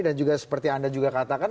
dan juga seperti anda juga katakan